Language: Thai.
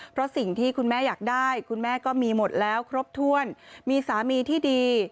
เพราะสิ่งที่คุณแม่อยากได้คุณแม่ก็มีหมดแล้วครบถ้วนมีสามีที่ดี